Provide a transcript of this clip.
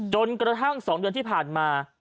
จนกระทั่ง๒เดือนที่ผ่านมา